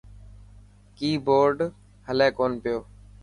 ڪئي بورڊ هلي ڪونه پيو.